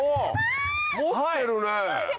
持ってるね！